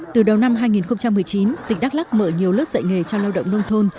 từ đầu năm hai nghìn một mươi chín tỉnh đắk lắc mở nhiều lớp dạy nghề cho lao động nông thôn